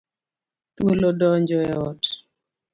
Thuol odonjo e ot.